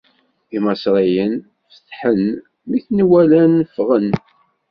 Imaṣriyen fetḥen mi ten-walan ffɣen.